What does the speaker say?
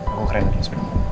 aku ke rena dulu